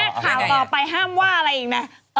ข่าวต่อไปห้ามว่าอะไรอีกนะ